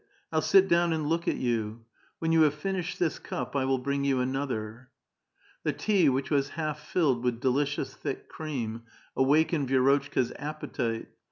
I'll sit down and look at you. When you have finished this cup, I will bring you another." The tea, which was half filled with delicious, thick cream, awakened Vi^rotchka's appetite.